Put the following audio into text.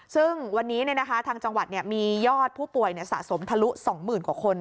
ซึ่งวันนี้ทางจังหวัดมียอดผู้ป่วยสะสมทะลุ๒๐๐๐กว่าคน